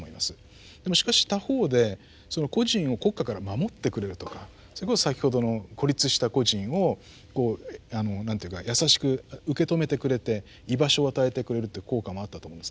でもしかし他方で個人を国家から守ってくれるとかそれこそ先ほどの孤立した個人をこうなんて言うか優しく受け止めてくれて居場所を与えてくれるという効果もあったと思うんですね。